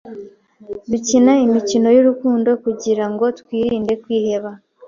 Dukina imikino y'urukundo kugirango twirinde kwiheba